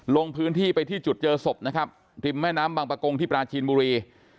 ลงพื้นที่ไปที่จุดเจอศพนะครับริมแม่น้ำบางประกงที่ปราจีนบุรี